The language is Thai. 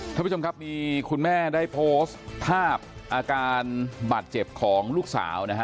ท่านผู้ชมครับมีคุณแม่ได้โพสต์ภาพอาการบาดเจ็บของลูกสาวนะฮะ